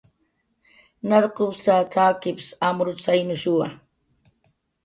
"Narqupsa, t""akips amrutzaynushuwa"